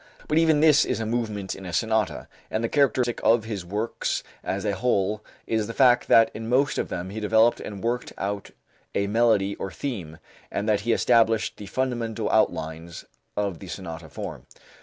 But even this is a movement in a sonata, and the characteristic of his works as a whole is the fact that in most of them he developed and worked out a melody or theme, and that he established the fundamental outlines of the sonata form.